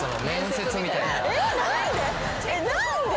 何で？